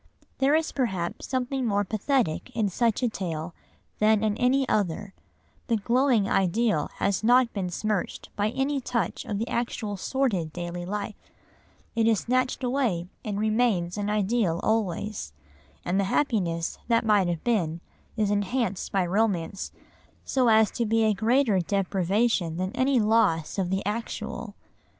There is perhaps something more pathetic in such a tale than in any other, the glowing ideal has not been smirched by any touch of the actual sordid daily life, it is snatched away and remains an ideal always, and the happiness that might have been is enhanced by romance so as to be a greater deprivation than any loss of the actual.